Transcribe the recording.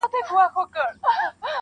ته چي راغلې سپين چي سوله تور باڼه~